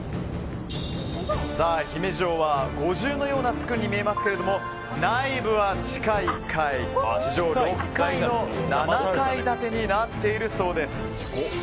姫路城は５重のような造りに見えますが内部は地下１階、地上６階の７階建てになっているそうです。